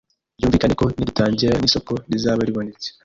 Byumvikane ko nidutangira n’isoko rizaba ribonetse